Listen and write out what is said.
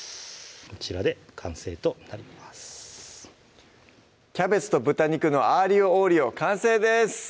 こちらで完成となります「キャベツと豚肉のアーリオ・オーリオ」完成です